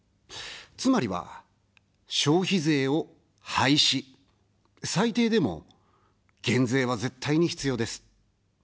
つまりは、消費税を廃止、最低でも減税は絶対に必要です。